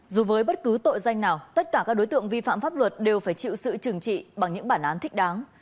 dù với bất cứ tội danh nào tất cả các đối tượng vi phạm pháp luật đều phải chịu sự trừng trị bằng những bản án thích đáng